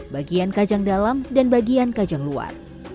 bagian kajang dalam dan bagian kajang luar